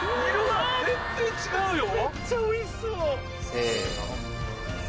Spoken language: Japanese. ・せの。